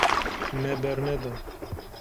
Me berneda.